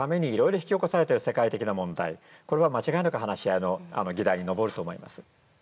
これは間違いなく話し合いの議題に上ると思います。